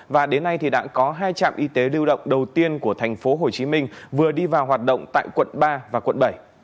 và đến nay thì đã có hai trạm y tế lưu động đầu tiên của tp hcm vừa đi vào hoạt động tại quận ba và quận bảy